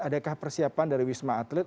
adakah persiapan dari wisma atlet